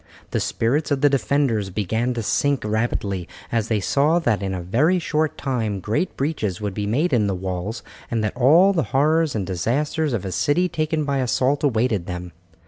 The spirits of the defenders began to sink rapidly, as they saw that in a very short time great breaches would be made in the walls, and that all the horrors and disasters of a city taken by assault awaited them.